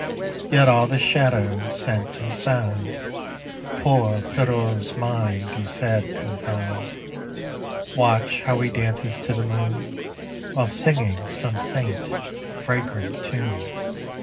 Yet all the shadow, scent and sound Poor Pierrot's mind do sad confound. Watch how he dances to the moon While singing some faint fragrant tune